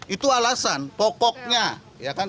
itu alasan pokoknya